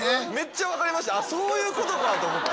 そういうことかと思って。